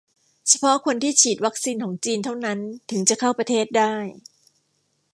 เฉพาะคนที่ฉีดวัคซีนของจีนเท่านั้นถึงจะเข้าประเทศได้